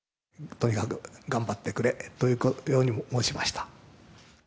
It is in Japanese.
とにかく頑張ってくれというように申しました。